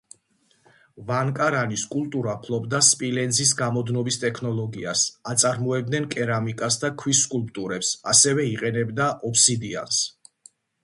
ვანკარანის კულტურა ფლობდა სპილენძის გამოდნობის ტექნოლოგიას, აწარმოებდნენ კერამიკას და ქვის სკულპტურებს, ასევე იყენებდა ობსიდიანს.